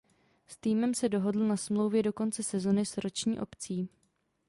S týmem se dohodl na smlouvě do konce sezony s roční opcí.